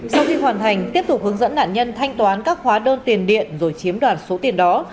sau khi hoàn thành tiếp tục hướng dẫn nạn nhân thanh toán các hóa đơn tiền điện rồi chiếm đoạt số tiền đó